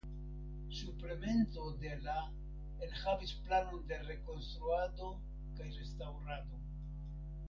Suplemento de la enhavis planon de rekonstruado kaj restaŭrado.